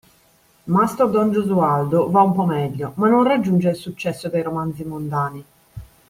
Mastro don Gesualdo và un po’ meglio ma non raggiunge il successo dei romanzi mondani.